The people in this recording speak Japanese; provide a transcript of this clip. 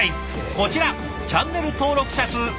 こちらチャンネル登録者数１，０００万